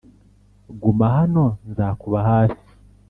guma hano nzakuba hafi